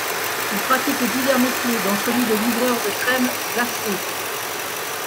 Il pratique divers métiers, dont celui de livreur de crème glacée.